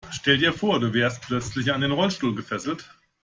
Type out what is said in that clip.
Stell dir vor, du wärst plötzlich an den Rollstuhl gefesselt.